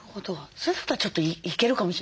それだったらちょっといけるかもしれないです。